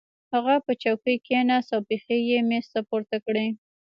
هغه په چوکۍ کېناست او پښې یې مېز ته پورته کړې